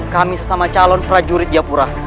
kami sesama calon prajurit jayapura